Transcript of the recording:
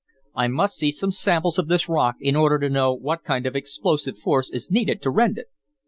I must see some samples of this rock in order to know what kind of explosive force is needed to rend it."